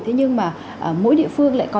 thế nhưng mà mỗi địa phương lại có